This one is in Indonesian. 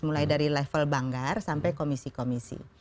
mulai dari level banggar sampai komisi komisi